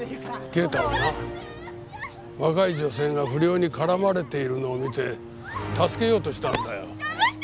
啓太はな若い女性が不良に絡まれているのを見て助けようとしたんだよ。